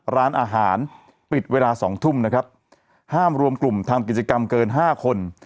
ร้านอาหารปิดเวลาสองทุ่มนะครับห้ามรวมกลุ่มทำกิจกรรมเกินห้าคน